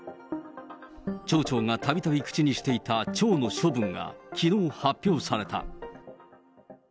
町長がたびたび口にしていた町の処分がきのう発表された。